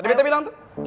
tadi beta bilang tuh